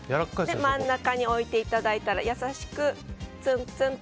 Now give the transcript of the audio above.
真ん中に置いていただいたら優しくツンツンと。